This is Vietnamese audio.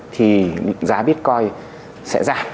thì giá bitcoin sẽ giảm